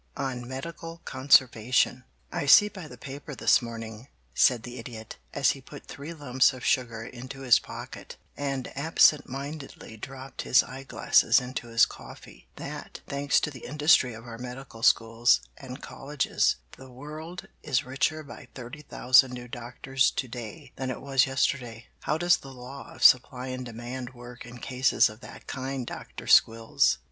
VI ON MEDICAL CONSERVATION "I see by the paper this morning," said the Idiot, as he put three lumps of sugar into his pocket and absent mindedly dropped his eyeglasses into his coffee, "that, thanks to the industry of our Medical Schools and Colleges, the world is richer by thirty thousand new doctors to day than it was yesterday. How does the law of supply and demand work in cases of that kind, Doctor Squills?"